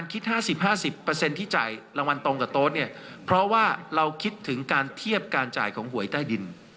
ขอบคุณครับ